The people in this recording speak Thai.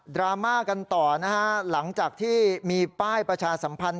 ราม่ากันต่อนะฮะหลังจากที่มีป้ายประชาสัมพันธ์